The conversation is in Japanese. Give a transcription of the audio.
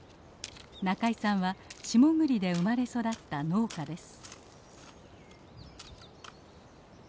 仲井さんは下栗で生まれ育った農家です。